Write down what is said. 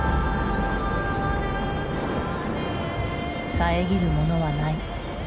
遮るものはない。